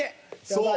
そう。